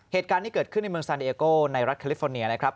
เหตุการณ์ที่เกิดขึ้นในเมืองซานเอโก้ในรัฐแคลิฟอร์เนียนะครับ